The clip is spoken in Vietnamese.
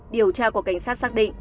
điều tra của cảnh sát sát hại